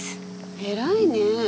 偉いね。